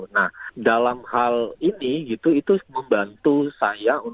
nah dalam hal ini itu membantu saya